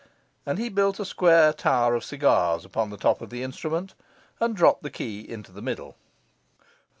And he built a square tower of cigars upon the top of the instrument, and dropped the key into the middle.